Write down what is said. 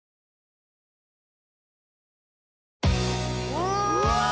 うわ！